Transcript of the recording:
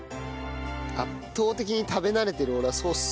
圧倒的に食べ慣れてる俺はソース。